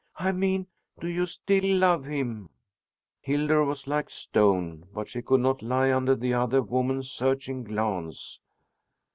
"I mean, do you still love him?" Hildur was like stone, but she could not lie under the other woman's searching glance.